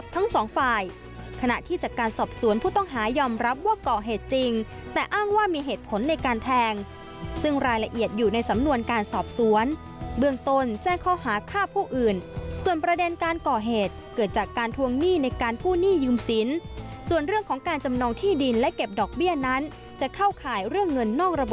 ทั้งสองฝ่ายขณะที่จากการสอบสวนผู้ต้องหายอมรับว่าก่อเหตุจริงแต่อ้างว่ามีเหตุผลในการแทงซึ่งรายละเอียดอยู่ในสำนวนการสอบสวนเบื้องต้นแจ้งข้อหาฆ่าผู้อื่นส่วนประเด็นการก่อเหตุเกิดจากการทวงหนี้ในการกู้หนี้ยืมสินส่วนเรื่องของการจำนองที่ดินและเก็บดอกเบี้ยนั้นจะเข้าข่ายเรื่องเงินนอกระบบ